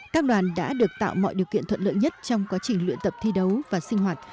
các đoàn đã được tạo mọi điều kiện thuận lợi nhất trong quá trình luyện tập thi đấu và sinh hoạt